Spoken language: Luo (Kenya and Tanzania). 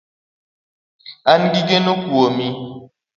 An gi geno kuomi